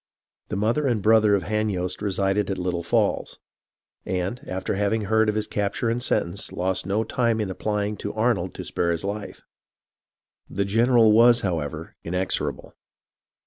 ... "The mother and brother of Hanyost resided at Little Falls ; and, having heard of his capture and sentence, lost no time in applying to Arnold to spare his life. The gen eral was, however, inexorable.